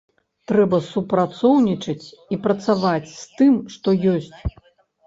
Трэба супрацоўнічаць і працаваць з тым, што ёсць.